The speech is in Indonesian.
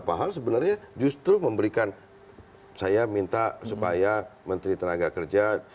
paham sebenarnya justru memberikan saya minta supaya menteri tenaga kerja